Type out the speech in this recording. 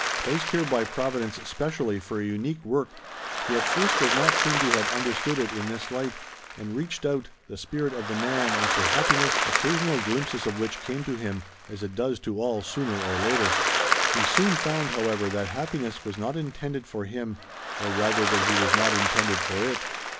Placed here by Providence specially for a unique work, he at first does not seem to have understood it in this light, and reached out, the spirit of the man, after happiness, occasional glimpses of which came to him, as it does to all sooner or later. He soon found, however, that happiness was not intended for him, or rather, that he was not intended for it.